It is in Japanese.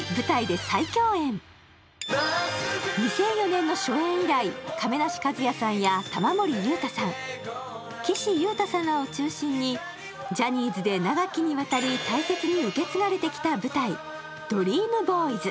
２００４年の初年以来、亀梨和也さんや玉森裕太さん岸優太さんらを中心にジャニーズで長きにわたり大切に受け継がれてきた舞台「ＤＲＥＡＭＢＯＹＳ」。